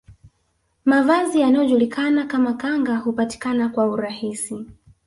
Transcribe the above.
Mavazi yanayojulikana kama kanga hupatikana kwa urahisi